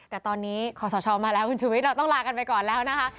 แต่ตอนนี้ขอสชมาแล้วคุณชุวิตเราต้องลากันไปก่อนแล้วนะคะ